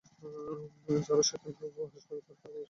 যারা শয়তানের উপাসক তারা তাকে উপাসনা করে।